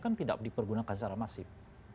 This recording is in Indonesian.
kan tidak dipergunakan secara masif